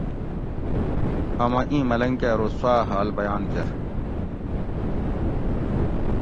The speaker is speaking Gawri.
امہ اِیں ملنگ کہ ارو سُواۤ حال بیان کر